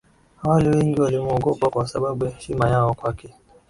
Awali wengi walimwogopa kwa sababu ya heshima yao kwake